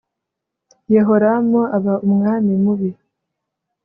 yehoramu aba umwami mubi